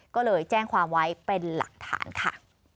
ก็เลยแจ้งความไว้เป็นหลักฐานค่ะ